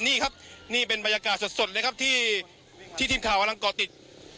นี่ครับนี่เป็นบรรยากาศสดเลยครับที่ทีมข่าวกำลังก่อติด